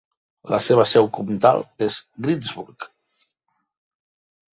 La seva seu comtal és Greensburg.